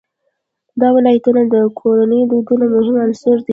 دا ولایتونه د کورنیو د دودونو مهم عنصر دی.